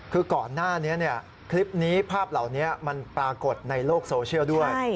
คือก่อนหน้านี้คลิปนี้ภาพเหล่านี้มันปรากฏในโลกโซเชียลด้วย